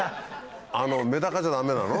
「メダカじゃダメなの？」